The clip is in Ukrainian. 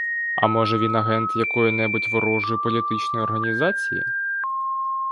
А може, він агент якої-небудь ворожої політичної організації?